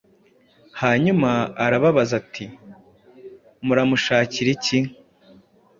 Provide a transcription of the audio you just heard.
Hanyuma arababaza ati “Muramushakira iki?”